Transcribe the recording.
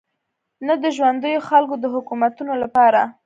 نه د ژونديو خلکو د حکومتونو لپاره.